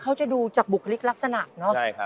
เขาจะดูจากบุคลิกลักษณะเนอะ